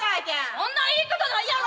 そんな言い方ないやろ！